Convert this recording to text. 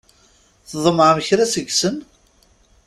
Tḍemɛem kra seg-sen?